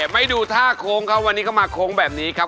ไม่ดูท่าโค้งครับวันนี้เข้ามาโค้งแบบนี้ครับ